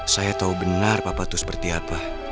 saya tahu benar papa itu seperti apa